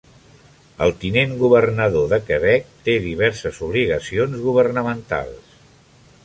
El tinent governador de Quebec té diverses obligacions governamentals.